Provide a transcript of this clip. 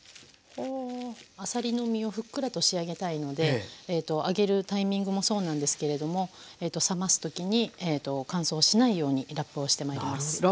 あさりの身をふっくらと仕上げたいのであげるタイミングもそうなんですけれども冷ます時に乾燥しないようにラップをしてまいります。